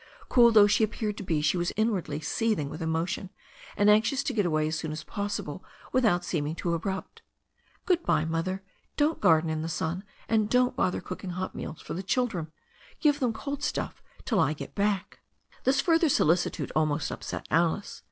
Cool though she appeared to be she was inwardly seething with emotion, and anxious to get away as soon as possible without seeming too abrupt. "Good bye, Mother. Don't garden in the sun, and don't bother cooking hot meals for the children. Give them cold stuff till I come back." This further solicitude almost upset Alice.